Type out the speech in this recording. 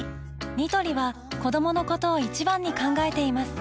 ニトリは子どものことを一番に考えています